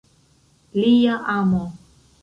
Lia amo.